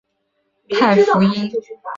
耶稣步道的圣经依据出自马太福音。